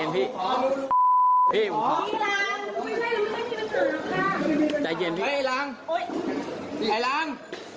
พี่หลังพี่หลังพี่หลังพี่หลัง